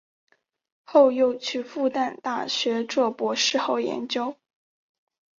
后又去复旦大学做博士后研究。